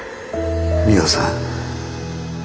ミワさん。